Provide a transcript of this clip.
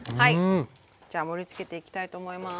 じゃあ盛りつけていきたいと思います。